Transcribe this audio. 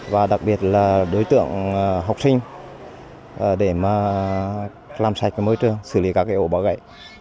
và đặc biệt là đối tượng học sinh để làm sạch môi trường xử lý các hộ bỏ gãy